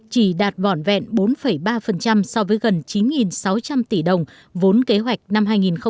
chỉ đạt vỏn vẹn bốn ba so với gần chín sáu trăm linh tỷ đồng vốn kế hoạch năm hai nghìn hai mươi